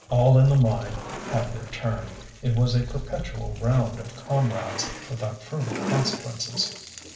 All in the mine had their turn; it was a perpetual round of comrades without further consequences.